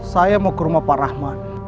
saya mau ke rumah pak rahman